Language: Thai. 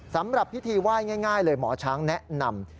สำหรับพิธีไหว้ง่ายเลยหมอช้างแนะนำ